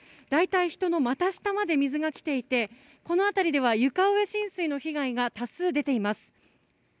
人の股下まで水が来ていて、この辺りでは床上浸水の被害が多数出ています。